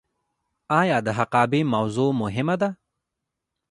آیا د حقابې موضوع مهمه ده؟